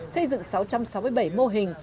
xây dựng sáu trăm sáu mươi bảy mô hình